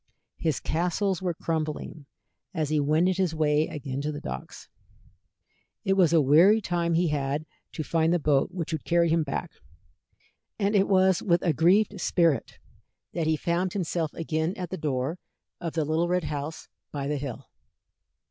His castles were crumbling as he wended his way again to the docks. It was a weary time he had to find the boat which would carry him back, and it was with a grieved spirit that he found himself again at the door of the little red house by the hill.